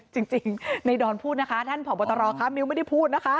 จริงในดอนพูดนะคะท่านผอบตรคะมิ้วไม่ได้พูดนะคะ